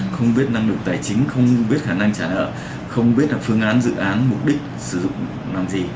không biết năng lực tài chính không biết khả năng trả nợ không biết là phương án dự án mục đích sử dụng làm gì